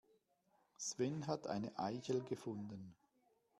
Sven hat eine Eichel gefunden.